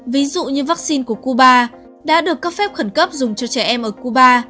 ví dụ như vắc xin của cuba đã được cấp phép khẩn cấp dùng cho trẻ em ở cuba